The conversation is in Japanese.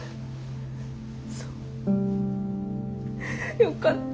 そうよかった。